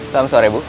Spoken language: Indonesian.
selamat sore bu